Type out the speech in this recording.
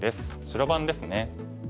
白番ですね。